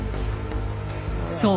そう。